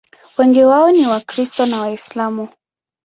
Wengi wao ni Wakristo na Waislamu.